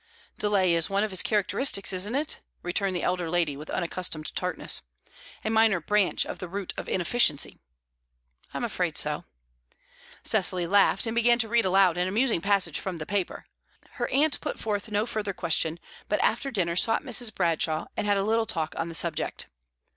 "Delay is one of his characteristics, isn't it?" returned the elder lady, with unaccustomed tartness. "A minor branch of the root of inefficiency." "I am afraid so." Cecily laughed, and began to read aloud an amusing passage from the paper. Her aunt put no further question; but after dinner sought Mrs. Bradshaw, and had a little talk on the subject.